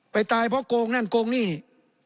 ตายเพราะโกงนั่นโกงนี่นี่